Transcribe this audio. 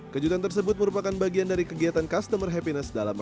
kejutan tersebut merupakan bagian dari kegiatan customer happiness